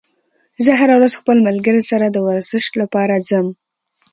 زه هره ورځ خپل ملګري سره د ورزش لپاره ځم